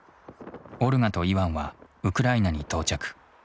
オルガとイワンはウクライナに到着。